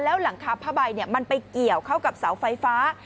แล้วหลังคาผ้าใบมันไปเกี่ยวเข้ากับเสาไฟฟ้า